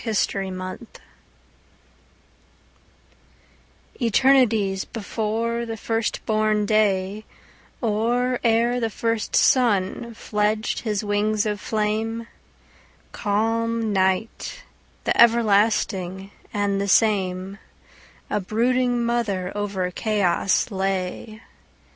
Mother Night ETERNITIES before the first born day, Or ere the first sun fledged his wings of flame, Calm Night, the everlasting and the same,A brooding mother over chaos lay.